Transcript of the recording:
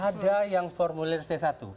ada yang formulir c satu